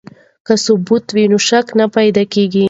که ثبوت وي نو شک نه پیدا کیږي.